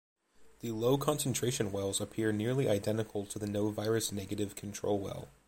The low concentration wells appear nearly identical to the no-virus negative control well.